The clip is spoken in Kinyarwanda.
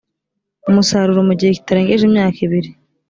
umusaruro mu gihe kitarengeje imyaka ibiri